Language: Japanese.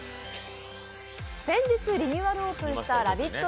先日リニューアルオープンしたラヴィット！